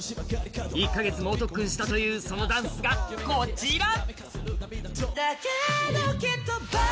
１カ月猛特訓したというそのダンスがこちら。